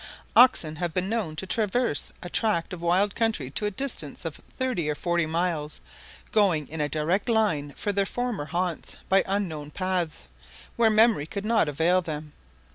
Oxen have been known to traverse a tract of wild country to a distance of thirty or forty miles going in a direct line for their former haunts by unknown paths, where memory could not avail them.